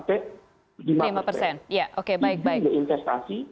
ini udah investasi